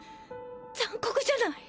残酷じゃない！